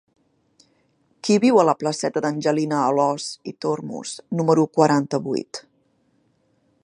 Qui viu a la placeta d'Angelina Alòs i Tormos número quaranta-vuit?